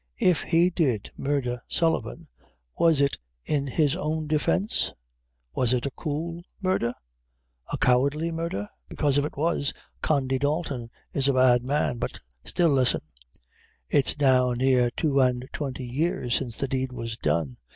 If he did murdher Sullivan, was it in his own defence? was it a cool murdher? a cowardly murdher? because if it was, Condy Dalton is a bad man. But still listen: it's now near two an' twenty years since the deed was done.